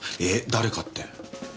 誰かって？